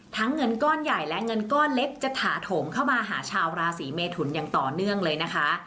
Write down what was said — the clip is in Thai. เงินก้อนใหญ่และเงินก้อนเล็กจะถาโถมเข้ามาหาชาวราศีเมทุนอย่างต่อเนื่องเลยนะคะ